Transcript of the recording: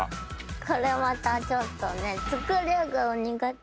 これまたちょっとね。